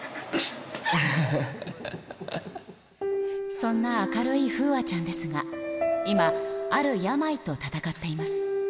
そんな明るい楓空ちゃんですが、今、ある病と闘っています。